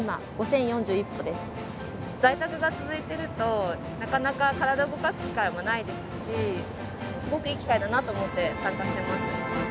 在宅が続いてるとなかなか体動かす機会もないですしすごくいい機会だなと思って参加してます。